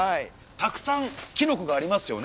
たくさんキノコがありますよね。